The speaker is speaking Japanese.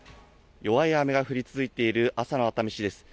弱い雨が降り続いている、朝の熱海市です。